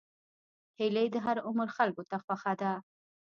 هیلۍ د هر عمر خلکو ته خوښه ده